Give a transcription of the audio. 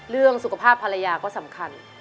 เรื่องสุขภาพภรรยาก็สำคัญ